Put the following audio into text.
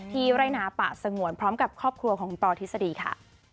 ที่รายนาปะสงวนพร้อมกับครอบครัวของปธิษฎีค่ะ